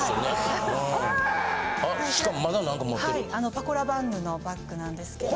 パコラバンヌのバッグなんですけど。